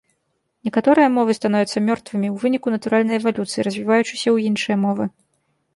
Некаторыя мовы становяцца мёртвымі ў выніку натуральнай эвалюцыі, развіваючыся ў іншыя мовы.